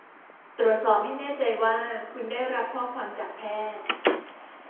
ตรวจสอบให้แน่ใจว่าคุณได้รับข้อความจากแพทย์